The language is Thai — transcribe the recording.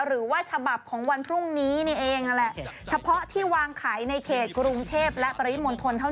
หน้ากลางอย่างนี้นะ